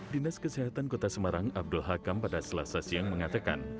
dinas kesehatan kota semarang abdul hakam pada selasa siang mengatakan